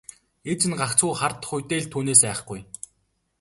Ээж нь гагцхүү хардах үедээ л түүнээс айхгүй.